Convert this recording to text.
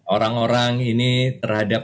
orang orang ini terhadap